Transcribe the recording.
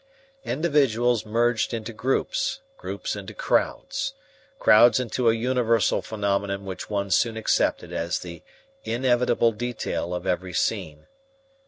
Individuals merged into groups, groups into crowds, crowds into a universal phenomenon which one soon accepted as the inevitable detail of every scene.